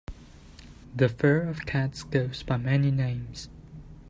The fur of cats goes by many names.